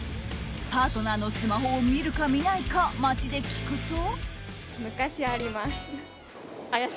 パートナーのスマホを見るか見ないか街で聞くと。